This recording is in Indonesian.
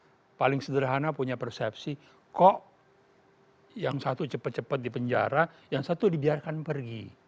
yang paling sederhana punya persepsi kok yang satu cepat cepat di penjara yang satu dibiarkan pergi